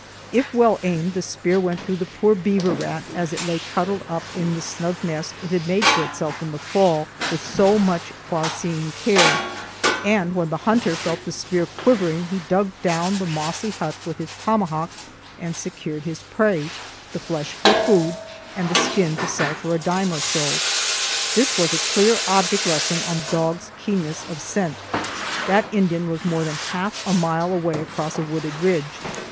If well aimed, the spear went through the poor beaver rat as it lay cuddled up in the snug nest it had made for itself in the fall with so much far seeing care, and when the hunter felt the spear quivering, he dug down the mossy hut with his tomahawk and secured his prey,—the flesh for food, and the skin to sell for a dime or so. This was a clear object lesson on dogs' keenness of scent. That Indian was more than half a mile away across a wooded ridge.